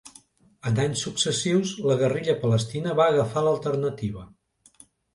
En anys successius, la guerrilla palestina va agafar l'alternativa.